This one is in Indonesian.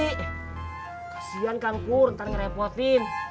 kasian kang pur ntar ngerepotin